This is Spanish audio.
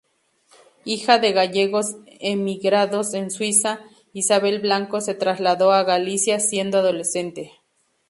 Hija de gallegos emigrados en Suiza, Isabel Blanco se trasladó a Galicia siendo adolescente.